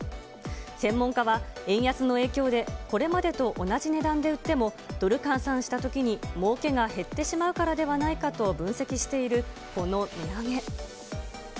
専門家は、円安の影響でこれまでと同じ値段で売ってもドル換算したときにもうけが減ってしまうからではないかと分析している、この値上げ。